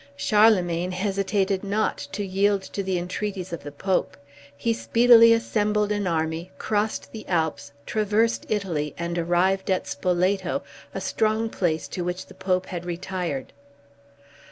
Charlemagne hesitated not to yield to the entreaties of the Pope. He speedily assembled an army, crossed the Alps, traversed Italy, and arrived at Spoleto, a strong place to which the Pope had retired.